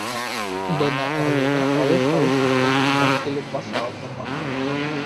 Бына әле лә алыҫ-алыҫ үткән көндәр килеп баҫа алдыма.